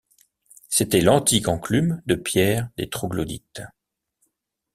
C’était l’antique enclume de pierre des troglodytes.